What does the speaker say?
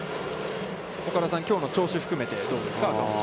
岡田さん、きょうの調子を含めてどうですか。